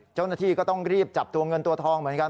เจ้าหน้าที่ก็ต้องรีบจับตัวเงินตัวทองเหมือนกัน